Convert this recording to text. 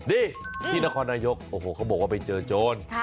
นี่ที่นครนายกโอ้โหเขาบอกว่าไปเจอโจร